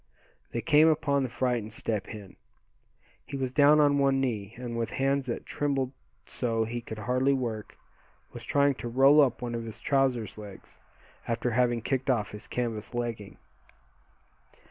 They came upon the frightened Step Hen. He was down on one knee, and with hands that trembled so he could hardly work, was trying to roll up one of his trousers' legs, after having kicked off his canvas legging.